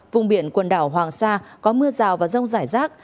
vùng biển quần đảo hoàng sa có mưa rào và rông rải rác